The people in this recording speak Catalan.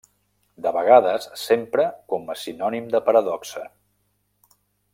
De vegades s'empra com a sinònim de paradoxa.